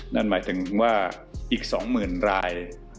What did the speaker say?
นั่นหมายถึงว่าอีก๒๐๐๐ราย